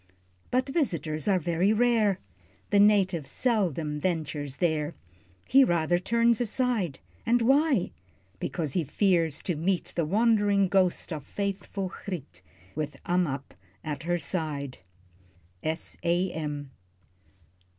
But visitors are very rare, The native seldom ventures there, He rather turns aside. And why? Because he fears to meet The wandering ghost of faithful Griet With Ammap at her side. _S. A. M.